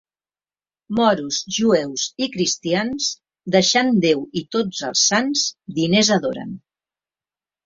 Moros, jueus i cristians, deixant Déu i tots els sants, diners adoren.